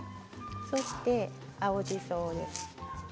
そして青じそです。